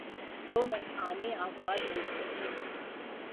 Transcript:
تو میخانے آباد ہوتے ہیں۔